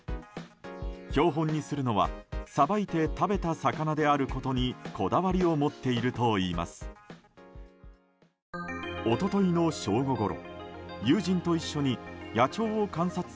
標本にするのはさばいて食べた魚であることにこだわりを持っているといいます。